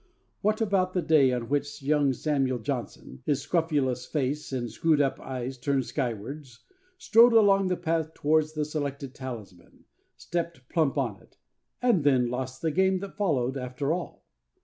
What about the day on which young Samuel Johnson, his scrofulous face and screwed up eyes turned skywards, strode along the path towards the selected talisman, stepped plump upon it, and then lost the game that followed after all?